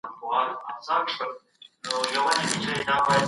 تاسي په خپلو خبرو کي تل په حقه یاست.